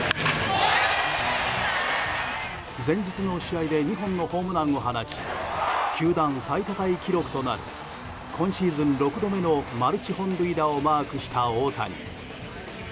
前日の試合で２本のホームランを放ち球団最多タイ記録となる今シーズン６度目のマルチ本塁打をマークした大谷。